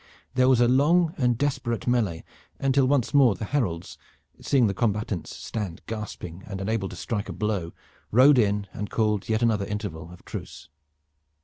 There was a long and desperate melee until once more the heralds, seeing the combatants stand gasping and unable to strike a blow, rode in and called yet another interval of truce.